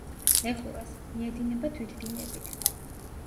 ლეხურას; მიედინება თვითდინებით.